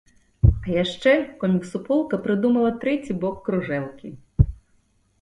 А яшчэ комік-суполка прыдумала трэці бок кружэлкі.